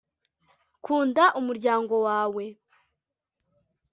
kunda umuryango wawe